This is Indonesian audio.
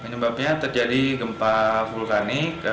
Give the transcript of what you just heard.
penyebabnya terjadi gempa vulkanik